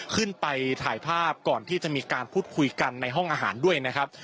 ขึ้นไปถ่ายภาพก่อนที่จะมีการพูดคุยกันในห้องอาหารด้วยนะครับ